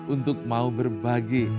untuk mau berbagi